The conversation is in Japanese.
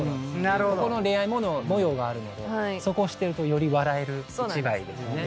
ここの恋愛模様があるのでそこを知ってるとより笑える１枚ですね。